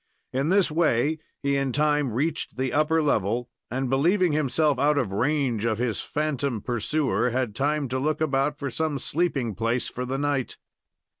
In this way he in time reached the upper level, and, believing himself out of range of his phantom pursuer, had time to look about for some sleeping place for the night.